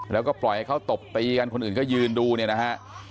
เราก็ก็ปล่อยที่เค้าตบตีกับคนอื่นก็ยืนดูนะฮะ